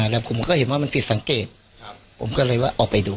แล้วผมก็เห็นว่ามันผิดสังเกตผมก็เลยว่าออกไปดู